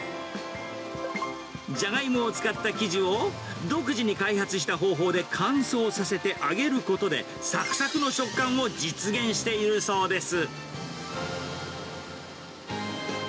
ジャガイモを使った生地を独自に開発した方法で乾燥させて揚げることで、さくさくの食感を実現しているそうです。